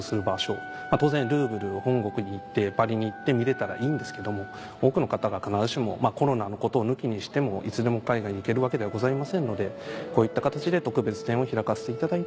当然ルーヴルを本国に行ってパリに行って見れたらいいんですけども多くの方が必ずしもコロナのことを抜きにしてもいつでも海外に行けるわけではございませんのでこういった形で特別展を開かせていただいて。